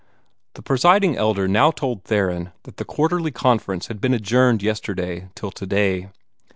The Presiding Elder now told Theron that the Quarterly Conference had been adjourned yesterday till today.